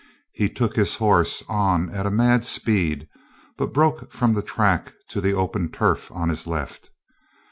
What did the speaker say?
He took his horse on at a mad speed, but broke from the track to the open turf on his left.